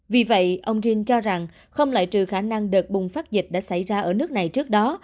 vì vậy ông jin cho rằng không lại trừ khả năng đợt bùng phát dịch đã xảy ra ở nước này trước đó